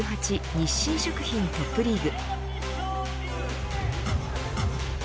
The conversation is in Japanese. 日清食品トップリーグ。